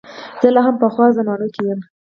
زه لا هم په پخوا زمانو کې یم.